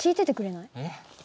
えっ？